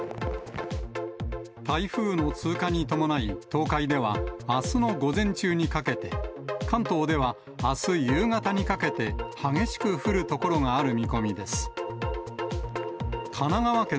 台風の通過に伴い、東海では、あすの午前中にかけて、関東ではあす夕方にかけて、激しく降る所がある見込みです。